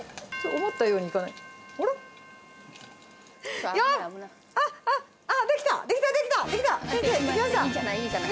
思ったようにいかない。